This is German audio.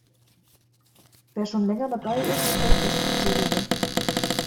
Wer schon länger dabei ist, kennt das Prozedere.